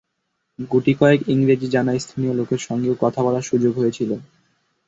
গুটি কয়েক ইংরেজি জানা স্থানীয় লোকের সঙ্গেও কথা বলার সুযোগ হয়েছিল।